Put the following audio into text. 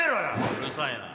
うるさいな